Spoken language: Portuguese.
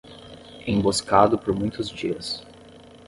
Emboscado por muitos dias